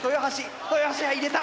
豊橋が入れた。